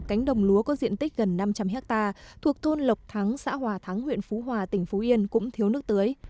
cánh đồng lúa có diện tích gần năm trăm linh hectare thuộc thôn lộc thắng xã hòa thắng huyện phú hòa tỉnh phú yên cũng thiếu nước tưới